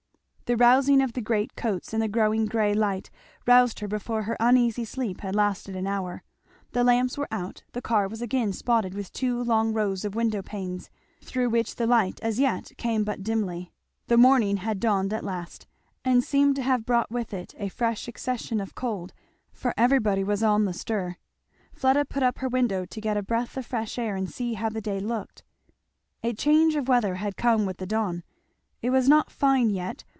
The rousing of the great coats, and the growing gray light, roused her before her uneasy sleep had lasted an hour. The lamps were out, the car was again spotted with two long rows of window panes, through which the light as yet came but dimly. The morning had dawned at last, and seemed to have brought with it a fresh accession of cold, for everybody was on the stir. Fleda put up her window to get a breath of fresh air and see how the day looked. A change of weather had come with the dawn. It was not fine yet.